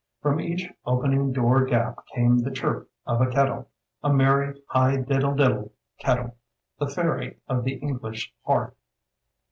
From each opening door gap came the chirp of a kettle, a merry high diddle diddle kettle, the faery of the English hearth.